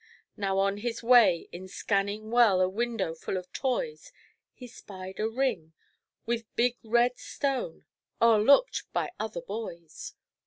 Now on his way, in scanning well A window full of toys, He spied a ring with big red stone, O'erlooked by other boys.